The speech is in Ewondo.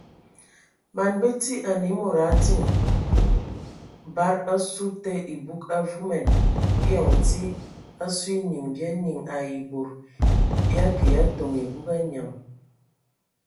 Man bəti anə a mod a diŋ bad asu te ebug avuman eyɔŋ dzi asu enyiŋ ba nyiŋ ai bod ya kə ya toŋ ebug anyaŋ.